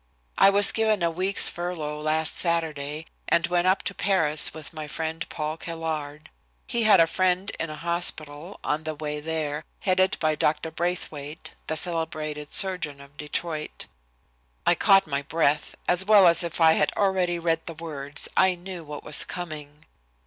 "I was given a week's furlough last Saturday and went up to Paris with my friend, Paul Caillard. He had a friend in a hospital on the way there, headed by Dr. Braithwaite, the celebrated surgeon of Detroit." I caught my breath. As well as if I had already read the words, I knew what was coming.